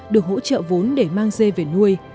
được hỗ trợ vốn để mang dê về nuôi